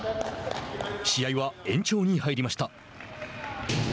試合は延長に入りました。